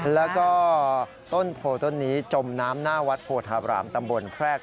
แล้วก็ต้นโพต้นนี้จมน้ำหน้าวัดโพธาบรามตำบลแครก